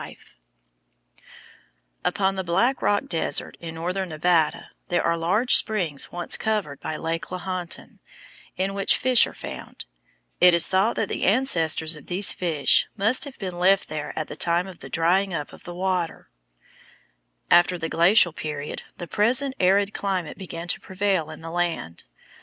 ROUND HOLE, A SPRING IN THE SMOKE CREEK DESERT Bed of old Lake Lahontan] Upon the Black Rock Desert, in northern Nevada, there are large springs once covered by Lake Lahontan, in which fish are found. It is thought that the ancestors of these fish must have been left there at the time of the drying up of the water. After the Glacial period the present arid climate began to prevail in the land.